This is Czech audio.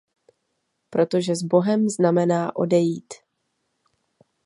Protože sbohem znamená odejít.